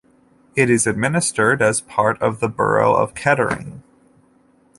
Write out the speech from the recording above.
It is administered as part of the borough of Kettering.